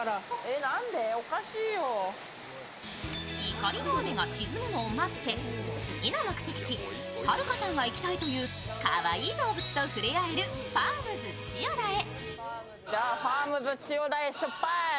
怒りの雨がしずむのを待って次の目的地、はるかさんが行きたいというかわいい動物と触れあえるファームズ千代田へ。